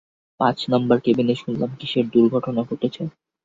পাঁচ নাম্বার কেবিনে শুনলাম কিসের দূর্ঘটনা ঘটেছে!